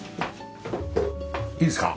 いいですか？